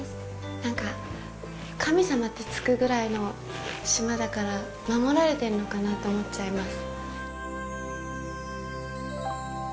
なんか神様ってつくぐらいの島だから守られてるのかなと思っちゃいます。